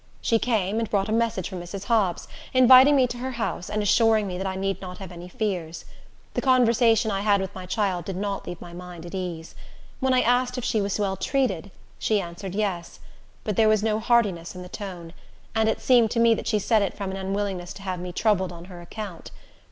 She came and brought a message from Mrs. Hobbs, inviting me to her house, and assuring me that I need not have any fears. The conversation I had with my child did not leave my mind at ease. When I asked if she was well treated, she answered yes; but there was no heartiness in the tone, and it seemed to me that she said it from an unwillingness to have me troubled on her account.